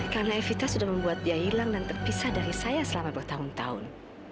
karena evita sudah membuat dia hilang dan terpisah dari saya selama bertahun tahun